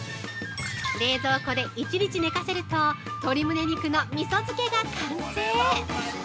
◆冷蔵庫で１日寝かせると鶏むね肉のみそ漬けが完成！